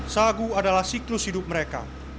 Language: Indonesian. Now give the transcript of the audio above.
sagu adalah siklus hidup mereka